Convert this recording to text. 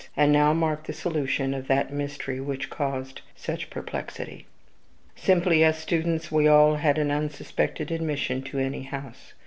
And now mark the solution of that mystery which caused such perplexity. Simply as students we all had an unsuspected admission at any house.